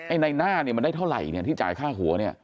ในหน้าเนี่ยมันได้เท่าไหร่เนี่ยที่จ่ายค่าหัวเนี่ย